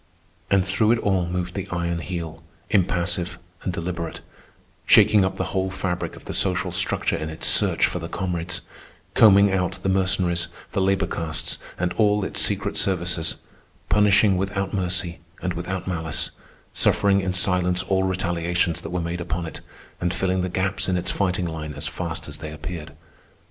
And through it all moved the Iron Heel, impassive and deliberate, shaking up the whole fabric of the social structure in its search for the comrades, combing out the Mercenaries, the labor castes, and all its secret services, punishing without mercy and without malice, suffering in silence all retaliations that were made upon it, and filling the gaps in its fighting line as fast as they appeared.